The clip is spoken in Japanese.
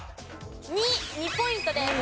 ２。２ポイントです。